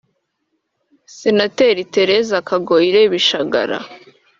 Senateri Thérèse Kagoyire Bishagara